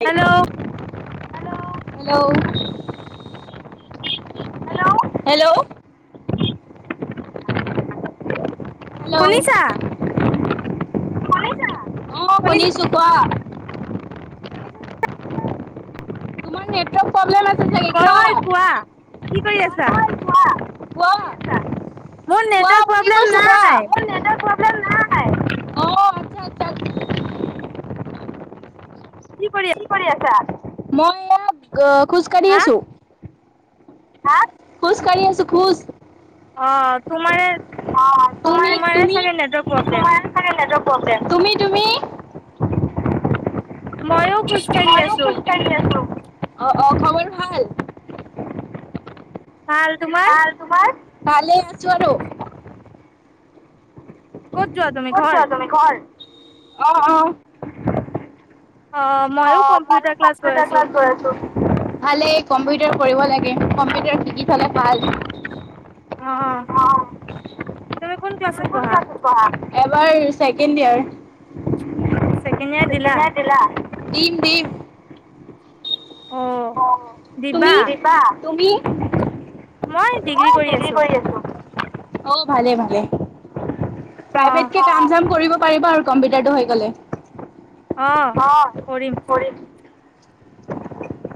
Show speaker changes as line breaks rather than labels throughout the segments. ন
hello
[unintelligible] hello hello hello hello
শুনিছা
অ
শুনিছা
শুনিছো কোৱা তোমাৰ নেটৱৰ্ক প্ৰব্লেম আছে
ক হয় কোৱা কি কৰি আছা
কত আছা
মোৰ
কোৱা
নেটৱৰ্ক
বুলি
প্ৰব্লেম
কৈছো কোৱা
নাই
মোৰ নেটৱৰ্ক প্ৰব্লেম নাই অ আচ্ছা আচ্ছা কি কৰি আছা মই ইয়াত খোজকাঢ়ি
হা
আছোঁ হা খোজকাঢ়ি আছো খোজ
অ তোমাৰে তোমাৰে
তুমি তুমি
ছাগে নেটৱৰ্ক প্ৰব্লেম
চাগে নেটৱৰ্ক প্ৰব্লেম তুমি তুমি
ময়
মই য়ো খোজকাঢ়ি আছো। অহ অহ খবৰ ভাল।
ভাল তোমাৰ
ভাল তোমাৰ। ভালে আছো আৰু।
ক'ত যোৱা তুমি ঘৰ।
অহ অহ
অ
অ মইয়ো
কম্পিউটাৰ ক্লাছ গৈ
কম্পিউটাৰ
আছো
ক্লাছ গৈ আছো। ভালেই কম্পিউটাৰ কৰিব লাগে কম্পিউটাৰ শিকি থলে ভাল।
অ তুমি কোন ক্লাছত। পঢ়া
কিহত পৰহা। এবাৰ ছেকেণ্ড ইয়াৰ।
[unintelligible] [unintelligible] চেকেণ ইয়াৰ দিলা।
দিম দিম। অ তুমি দিবা। তুমি
মই ডিগ্ৰী কৰি আছো।
অ ভালে ভালে।
অ
প্ৰাইভেট কে কাম চাম কৰিব। বাৰ কম্পিউটাৰটো হৈ গ'লে।
আহ কৰিম।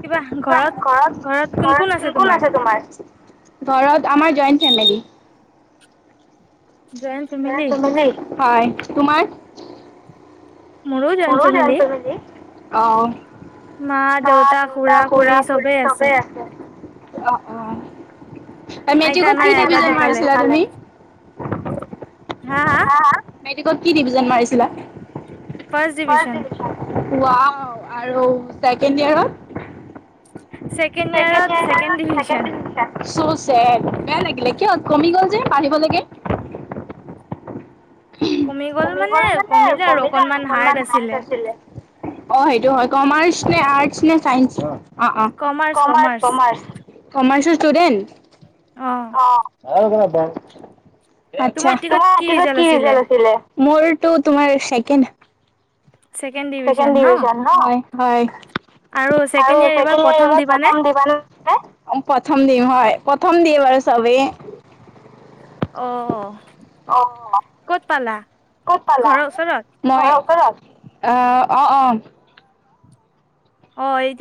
কিবা ঘৰত
ঘৰত ঘৰত কোন কোন আছে তোমাৰ। ঘৰত আমাৰ joint family.
Joint
joint
family
family হয়। তোমাৰ।
জইণ্ট
মোৰো জইন
ফেমিলি
ফেমেলি। অ মা দেউতা খুড়া-খুড়ি চবেই আছে। অ অঁ
আইতা
মেট্ৰিকত
নাই
কি
আইতা
ডিভিজন
ঢুকালে।
মাৰিছিলা তুমি। [unintelligible] [unintelligible]
হা হা
মেটিকত কি ডিভিজন মাৰিছে ছিলা‌
ফাৰ্ষ্ট ডিভিজন।
ফাৰৰ্চত দিবি যেন উআও অ আৰু ছেকেণ্ড ইয়াৰত ছেকেণ্ড ইয়াৰত ছেকেণ্ড ডিভিছন বেয়া লাগিলে কিয় কমি গ'ল যে বাঢ়িব লাগে
কমি গ'ল মানে কমিলে আৰু অকনমান হাৰ্ড আছিলে
অ সেইটো হয় কমাৰ্চ নে আৰ্টচ নে চাইনছ অ অ কমাৰ্চ কমাৰ্চ ষ্টুডেণ্ট অ [unintelligible]
তোমাৰ
আচ্ছা
মেট্ৰিকত কি ৰিজাল্ট
ৰিজাল্ আছিলে মোৰটো তোমাৰ ছেকেণ্ড
উ [unintelligible]
ছেকেণ্ড ডিভিজন ন হয় আৰু ছেকেণ্ড ইয়াৰ এইবাৰ প্ৰথম দিবানে? প্ৰথম দিম হয় প্ৰথম দি এইবাৰ চবে
অ
অ ক'ত পালা
ঘৰৰ ওচৰত?
ঘৰৰ ওচৰত। অহ অ অ
অ এই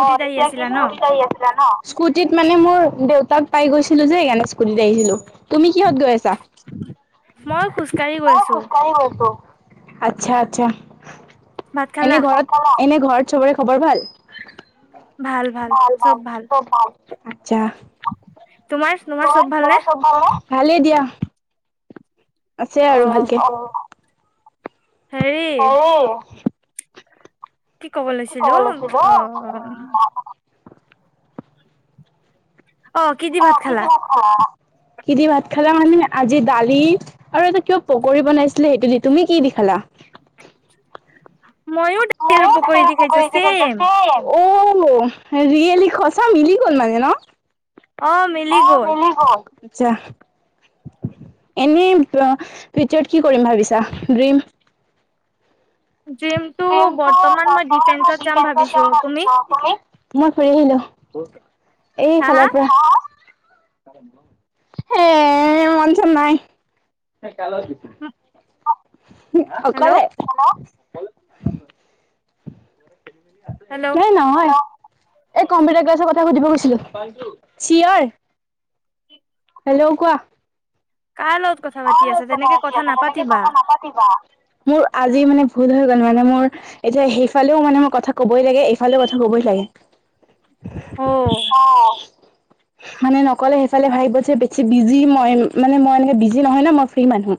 অ এতিয়া কি স্কুটিত আহি আছিলা ন। স্কুটিত মানে মোৰ দেউতাক পাই গৈছিলোঁ যে সেইকাৰণে স্কুটিত আহিলোঁ। তুমি কিহত গৈ আছা
মই খোজকাঢ়ি গৈ
মই
আছো।
খোজ কাঢ়ি গৈছো আচ্ছা আচ্ছা
ভাত খালা?
এনে ঘৰত এনে ঘৰত চবৰে খবৰ ভাল ভাল ভাল চব ভাল
তোমাৰ তোমাৰ
তোমাৰ
ভালনে?
তোমাৰ চব ভালনে ভালেই দিয়া। আছো আৰু
অ'।
ভালকে।
হেৰি
অ।
কি কব লৈছিলো আহ। অ কি দি ভাত খালা।
কি দি ভাত খালা মানে আজি দালি আৰু এটা কিবা পকৰী বনাইছিলে সেইটো দি তুমি কি দি খালা?
মইয়ো ত পকৰি দি খাইছো চেইম।
অঔ ৰিয়েলি, সচা মিলি গ'ল মানে ন।
অ মিলি গল।
আছা, এনেই এতিয়া ফিউচাৰত কি কৰিম ভাবিছা ড্ৰীম।
ড্ৰিমটো
ড্ৰীমটো
বৰ্তমান মই
বৰ্তমানমান
ডিফেন্সত
ডিফেন্ঞ্চৰ
ভাবিছো
যাম ভাবিছোঁ তুমি। মই ফুৰি আহিলো। এই
হা হা
ফালাৰ পৰা। এ মন চন নাই। [unintelligible] কাৰ লগত গৈছিলি।
হেল্ল'
অকলে
হেল্ল'
সেই নহয় অ। এই কম্পিউটাৰ ক্লাছৰ কথা সুধিব কৈছিলো চিঞৰ। হেল্ল' কোৱা।
কাৰ লগত কথা পাতি আছ তেনেকে কথা নাপাতিবা।
মোৰ আজি মানে ভুল হৈ গ'ল মানে মোৰ এতিয়া সেইফালেও মানে মোৰ কথা কবই লাগে এইফালে কথা কবই লাগে।
অ
অ। মানে নকলে সেইফালে ভাবিব যে বেছি বিজি মই মানে মই এনেকে বি । দিনা খনে মই ফ্ৰী মানুহ। এ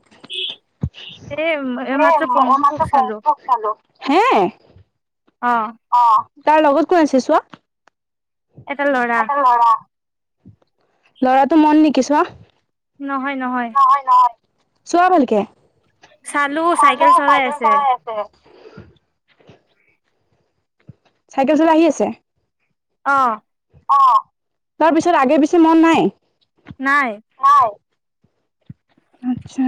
এই মাত্ৰ
মই মাত
পংকুক চালো
কক চালো। হেএ
অ।
তাৰ লগত কোন আছে চোৱা?
এটা লৰা।
লৰাটো মন নেকি চোৱা।
নহয় নহয়।
চোৱা ভালকে। অ ন চাইকেল চলাই আছে । চাইকেল চল আহি আছে?
অ
অ তাৰ পিছত আগে পিছে মন নাই?
নাই
[unintelligible] আচ্ছা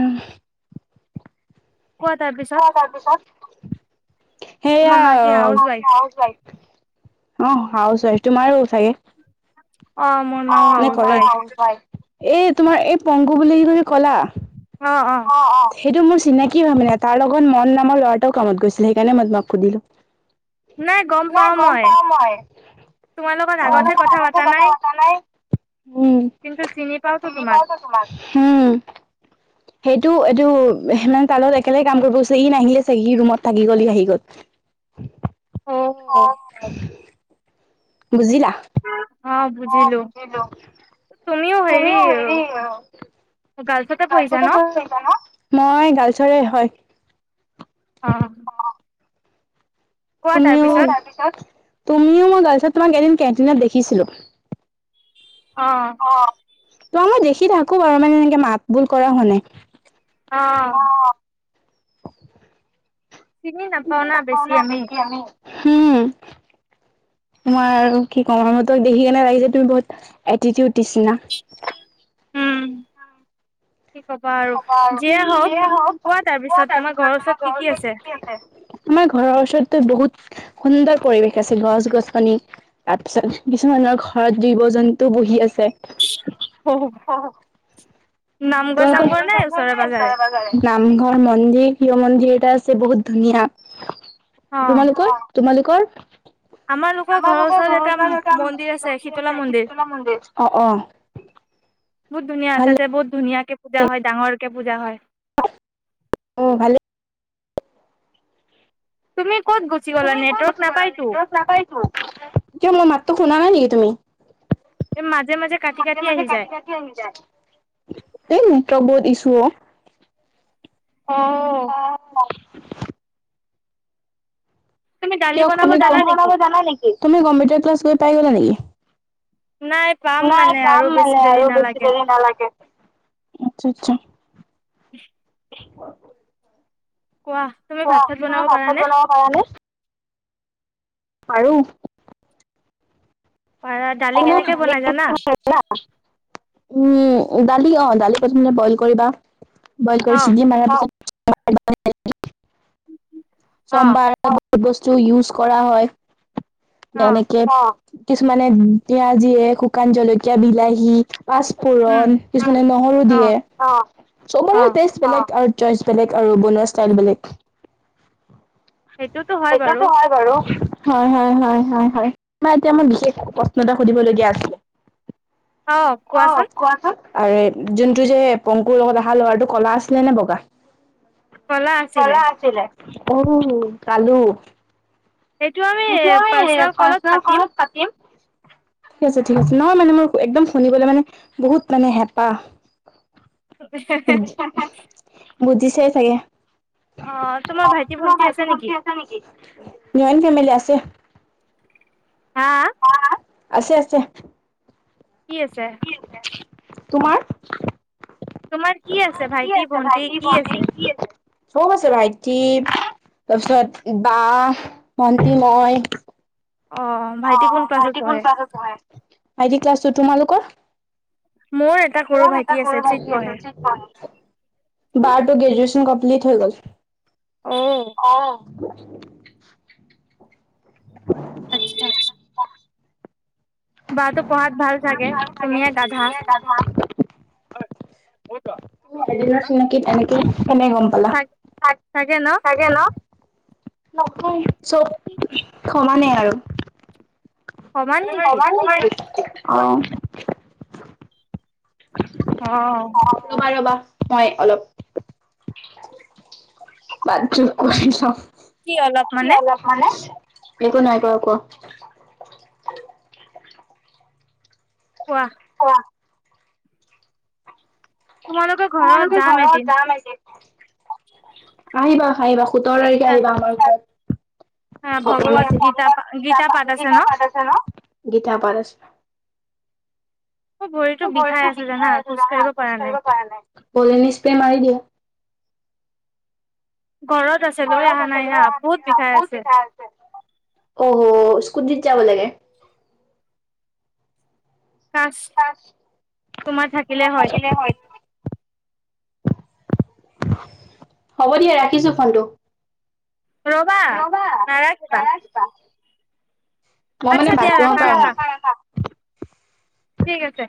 কোৱা তাৰপিছত
ক তাৰ পিছত ত
তোমাৰ
সেইয়া
মা কি হাউচ ৱাইফ
অঁ হাউচ ৱাইফ তোমাৰো চাগে
অ মোৰ মাও
মনে
হাউচ
কৰে
ৱাইফ
এ তোমাৰ এই পংগু বুলি কৰি কলা
উ অঁ অঁ
সেইটো মোৰ চিনাকি ভি নাই তাৰ লগত মন নামৰ ল'ৰাটাও কাম গৈছিল সেইকাৰণে মই তোমাক সুধিলো নাই গম পাও মই অলমান আগতে কথা পতা নাই
কিন্তু চিনি পাওক তোমাক
হম সেইটো এইটো সেইদিনা তাৰ লগত একেলগে কাম কৰিব ই নাহিলে চাগে সি ৰুমত থাকি গ'লি আহি গ'ল
অ
অঁ বুজিলা অ বুজিলো
ও হেৰি গাল চ
ক্লাছটো কৈছিলা ন মই গালচৰে হয়
অঁ
তুমি ও তুমিও মই গাৰ্লছত তোমাক এদিন কেণ্টিনত দেখিছিলো
অঁ
তোমাক মই দেখি থাকো বাৰু মানে এনেকে মাত বোল কৰা হোৱা নাই
অঁ চিনি নাপাওঁ না বেছি আমি
উম তোমাৰ আৰু কি কমা তোমাৰ দেখি কেনে লাগিছে তুমি বহুত এটিটিউড নিচিনা
উম
কি কবা আৰু কোৱা আৰু তোমাৰ ঘৰ ওচৰত কি কি আছে সুন্দৰ পৰিৱেশ আছে গছ গছপনি তাৰপিছত কিছুমানৰ ঘৰত জীৱ জন্তু বহি আছে
নামঘৰ
তোমালোকৰ
চামগৰ
নামঘৰ মন্দিৰ প্ৰিয় মন্দিৰ এটা আছে বহুত ধুনীয়া তোমালোকৰ কতোমালোক কাৰ
আমাৰালোকৰ ঘৰৰ ওচৰত এটা মন্দিৰ আছে শীতলা মন্দিৰ
অ অ
বহুত ধুনীয়া
ভাল
তাতে বহুত ধুনীয়া কে পূজা হয় ডাঙৰ কে পূজা হয়
অ ভালেই
তুমি ক'ত গুচি গ'লা
তুমি কত
নেটৱৰ্ক
গুচি গলা
নাপায়তো
নেটৱৰ্ক নাপাইটো কিয় মোৰ মাতটো শুনা নাই নেকি কি তুমি
এ মাত
মাজে মাজে কাটি কাটি আহি যায় নেটক বহুত ইছু
অ
অ [inaudible]
তুমি দালি
কিয়
বনাব
তুমি
জানা
দালি
নেকি
বনাৰ জানা নেকি কিয় কম্পিউটাৰ ক্লাছ কৰি পাই গলা
নাই পাম
নেকি নাই
মানে আৰু
পাম
বেছি
মানে
দেৰি
আৰু বেছি
নালাগে
দেৰি নালাগে আচ্ছা আচ্ছা
উম [unintelligible]
[unintelligible]
তুমি
কোৱা
ভাত চাত বনাব
তুমি ভাত চাত
পাৰানে
বনাব পৰানে আৰু
পাৰা দালি কেনেকে বনাই জানা
উম দালি অ দালি প্ৰথমে বইল কৰিবা বইল
অ
কৰিছে চিটি মাৰা পিছত [unintelligible]
অ
চমবাৰ বহু বস্তু ইউজ কৰা হয়
অ
এনেকে কিছুমানে পিয়াজি দিয়ে শুকান জলকীয়া বিলাহী
উম
পাঁচপূৰণ কিছুমানে নহৰু
অ
দিয়ে
অ
চবৰে টেষ্ট বেলেগ আৰু চইচ বেলেগ আৰু বনোৱা ষ্টাইল বেলেগ
হয় বাৰু
সেইটোতো হয় বাৰু হয় হয় হয় হয় এতিয়া মই বিশেষ প্ৰশ্ন এটা সুধিবলগীয়া আছিলে
অ কোৱাচোন
আৰু যোনটো যে পংকুৰ লগত অহা লৰাটো কলা আছিলে নে বগা
কলা আছিলে
অ কালো সেইটো আমি পাৰ্চনেল কলত পাতিম ঠিক আছে ঠিক আছে নহয় মানে মোৰ একদম শুনিবলৈ মানে বহুত মানে হেঁপাহ
উ [unintelligible]
বুজিছে চাগে অ
ভাইটি
তোমাৰ
ভন্টি
ভাইটি
নেকি
ভণ্টি আছে নেকি নাই ফেমেলি আছে
হা
আছে আছে
কি আছে
তোমাৰ
তোমাৰ কি আছে ভাইটি ভণ্টি কি আছে
চব আছে ভাইটি তাৰপিছত বা ভণ্টি মই
অ
অ
ভাইটি কোন ক্লাছত
ভাইটি কোন
পঢ়ে
ক্লাছত পঢ়ে ভাইটি ক্লাছটো তোমালোকৰ
মোৰ এটা সৰু ভাইটি আছে চিত পঢ়ে
বাৰ টো গ্ৰেজুৱেচন কমপ্লিট হৈ গ'ল
অহ
[unintelligible] হয়
আচ্ছা বাটো পঢ়াত ভাল চাগে,
ভালাগে
তুমিয়ে গাধা
তুিয় ম এ চিনাকি তেনেকে [unintelligible] কেনে গম পালা
চাগে ন?
থাকে ন নহয় চুপ সমানেই আৰু
সমান নেকি?
অবাৰ নেকি [unintelligible] অ
অহ
ৰবা ৰবা মই অলপ বাদ যোগ কৰি চ
কি অলপ
কি
মানে
অলপ মানে এক কো নাই কোৱা কোৱা
কোৱা
অ
তোমালোকৰ ঘৰত
তোমালোকে
যাম
ঘৰত যাম এদিন আহিবা খাই বাচ সোত তাৰিখে
তাত
আহিবা আমাৰ
ভগৱত গীতা গীতা পাঠ আছে
তিতা
ন?
পাত আছে ন গীতা পাঠ আছে
ভৰিতো
মোৰ
বিষাই
ভৰিটো
আছে জানা,
বিষায় আছে জানা খোজ
নাই।
কাঢ়িব পৰা নাই বড়িস্পে মাৰি দিয়ক দিয়া
ঘৰত আছে লৈ
ঘৰত
অহা
আছে
নাই
গৈ
হা,
লৈ
বহুত
আহা
বিষাই
বহুত বিষায় আছে অহো স্কুটিত যাব লাগে
কাচ তোমাৰ থাকিলে হয়
হ'ব দিয়া ৰাখিছো ফোনটো
ৰবা নাৰাখিবা।
মই মানে
আচ্ছা
ভাত
দিয়া ৰাখা ৰাখা ঠিক আছে।